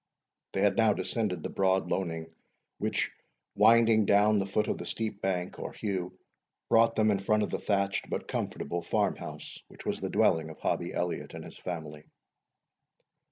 They had now descended the broad loaning, which, winding round the foot of the steep bank, or heugh, brought them in front of the thatched, but comfortable, farm house, which was the dwelling of Hobbie Elliot and his family.